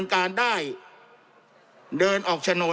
จำนวนเนื้อที่ดินทั้งหมด๑๒๒๐๐๐ไร่